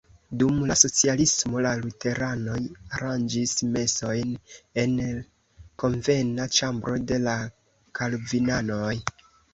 Dum la socialismo la luteranoj aranĝis mesojn en konvena ĉambro de la kalvinanoj.